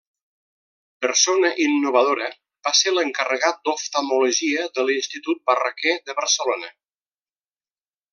Persona innovadora, va ser l'encarregat d'oftalmologia de l'Institut Barraquer de Barcelona.